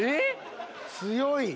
強い。